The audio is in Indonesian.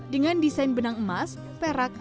dengan desain benang emas perak